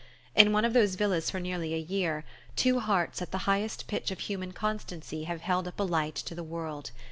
In one of those villas for nearly a year, two hearts at the highest pitch of human constancy have held up a light to the world.